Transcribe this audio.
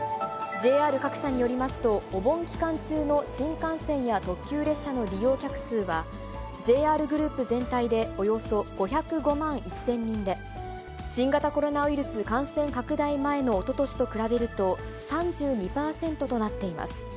ＪＲ各社によりますと、お盆期間中の新幹線や特急列車の利用客数は、ＪＲグループ全体でおよそ５０５万１０００人で、新型コロナウイルス感染拡大前のおととしと比べると、３２％となっています。